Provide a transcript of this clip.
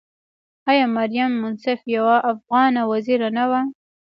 آیا مریم منصف یوه افغانه وزیره نه وه؟